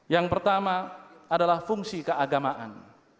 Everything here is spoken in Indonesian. yang pertama adalah fungsi keagamaan